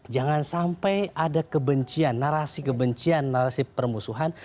jangan sampai ada kebencian narasi kebencian narasi permusuhan